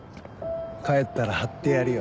帰ったら貼ってやるよ。